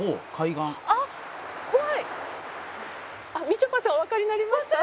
「みちょぱさんおわかりになりました？」